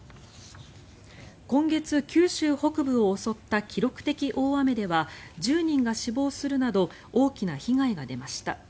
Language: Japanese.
今月、九州北部を襲った記録的大雨では１０人が死亡するなど大きな被害が出ました。